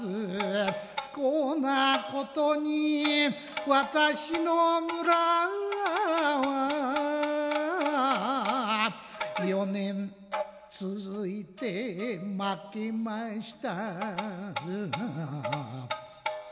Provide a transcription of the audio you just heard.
不幸なことに私の村は四年続いて負けました